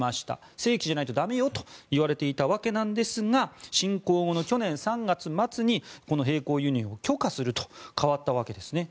正規じゃないと駄目よと言われていたわけなんですが侵攻後の去年３月末にこの並行輸入を許可すると変わったわけですね。